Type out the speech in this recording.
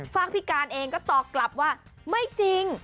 ฝากพี่การเองก็ตอบกลับว่าไม่จริง